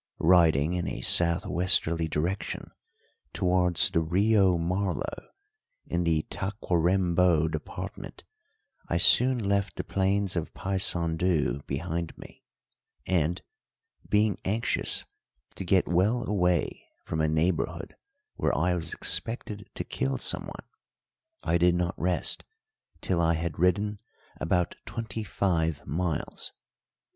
Riding in a south westerly direction towards the Rio Marlo in the Tacuarembó department, I soon left the plains of Paysandù behind me, and, being anxious to get well away from a neighbourhood where I was expected to kill someone, I did not rest till I had ridden about twenty five miles.